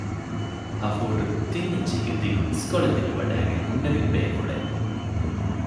ހަ ފޫޓު ތިން އިންޗީގެ ދިގު އިސްކޮޅެއް ލިބިވަޑައިގެން ހުންނެވި ބޭފުޅެއް